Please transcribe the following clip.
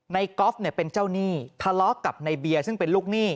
ก๊อฟเนี่ยเป็นเจ้าหนี้ทะเลาะกับในเบียร์ซึ่งเป็นลูกหนี้